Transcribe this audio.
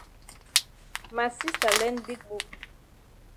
Ma sista learn big book.